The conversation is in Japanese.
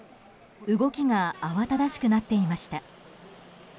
動きが慌ただしくなっていました。